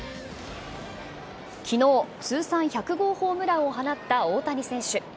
きのう、通算１００号ホームランを放った大谷選手。